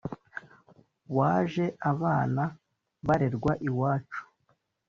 waje abana barerwa iwacu